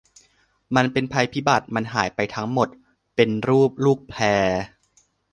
มันเป็นภัยพิบัติ มันหายไปทั้งหมดเป็นรูปลูกแพร์